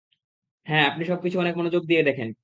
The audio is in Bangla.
হ্যাঁ - আপনি সবকিছু অনেক মনোযোগ দিয়ে দেখেন।